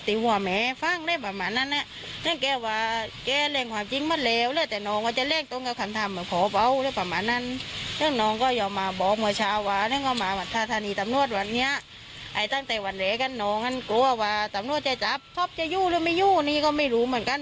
ตั้งแต่วันเหลกน้องกลัวว่าตำนวจจะจับชอบจะหยุดหรือไม่หยุดก็ไม่รู้เหมือนกัน